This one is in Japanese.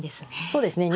そうですね。